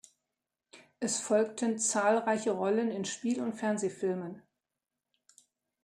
Es folgten zahlreiche Rollen in Spiel- und Fernsehfilmen.